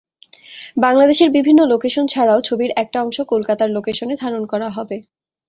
বাংলাদেশের বিভিন্ন লোকেশন ছাড়াও ছবির একটা অংশ কলকাতার লোকেশনে ধারণ করা হবে।